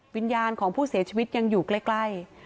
วิญญาณของผู้เสียชีวิตยังอยู่ใกล้